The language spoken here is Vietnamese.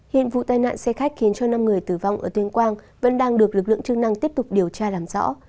hiện vụ tai nạn xe khách khiến cho năm người tử vong ở tuyên quang vẫn đang được lực lượng chức năng tiếp tục điều tra làm rõ